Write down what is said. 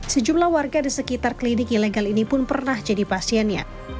sejumlah warga di sekitar klinik ilegal ini pun pernah jadi pasiennya